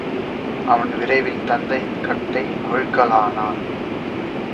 அவன் விரைவில் தந்தையின் கட்டை அவிழ்க்கலானான்.